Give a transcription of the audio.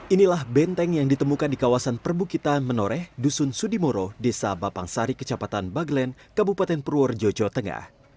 inilah benteng yang ditemukan di kawasan perbukitan menoreh dusun sudimoro desa bapangsari kecamatan baglen kabupaten purworejo jawa tengah